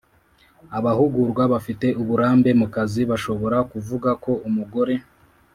Abahugurwa bafite uburambe mu kazi bashobora kuvuga ko umugore